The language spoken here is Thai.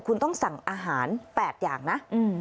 คุณต้องสั่งอาหาร๘อย่างนะ